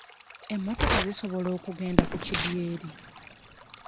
Emmotoka zisobola okugenda ku kidyeri?